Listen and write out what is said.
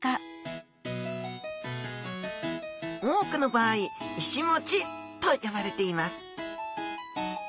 多くの場合いしもちと呼ばれています